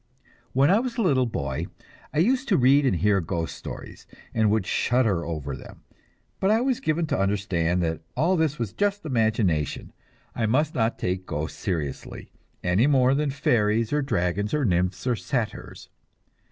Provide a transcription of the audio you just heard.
When I was a little boy I used to read and hear ghost stories, and would shudder over them; but I was given to understand that all this was just imagination, I must not take ghosts seriously, any more than fairies or dragons or nymphs or satyrs.